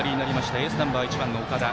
エースナンバー、１番の岡田。